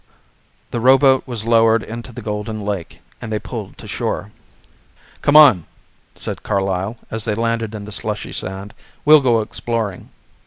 The rowboat was lowered into the golden lake and they pulled to shore. "Come on," said Carlyle as they landed in the slushy sand, "we'll go exploring."